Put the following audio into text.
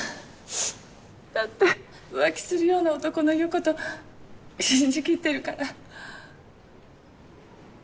だって浮気するような男の言うこと信じ切ってるから。